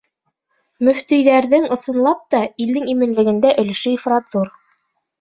— Мөфтөйҙәрҙең, ысынлап та, илдең именлегендә өлөшө ифрат ҙур.